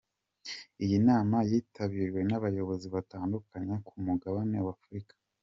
Iyi nama yitabiriwe n'abayobozi batandukanye ku mugabane wa Afrika.